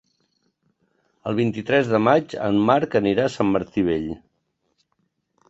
El vint-i-tres de maig en Marc anirà a Sant Martí Vell.